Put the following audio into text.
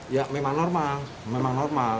ya memang normal memang normal